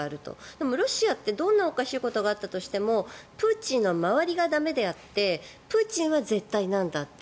でも、ロシアってどんなおかしいことがあったとしてもプーチンの周りが駄目であってプーチンは絶対なんだって。